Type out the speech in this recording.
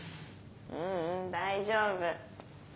ううん大丈夫。